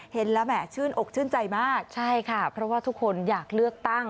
เห็นแล้วแหมชื่นอกชื่นใจมากใช่ค่ะเพราะว่าทุกคนอยากเลือกตั้ง